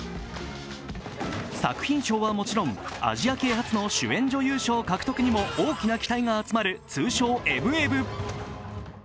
作品賞はもちろんアジア系初の主演女優賞獲得にも大きな期待が集まる通称「エブエブ」。